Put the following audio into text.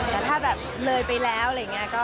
แต่ถ้าแบบเลยไปแล้วอะไรอย่างนี้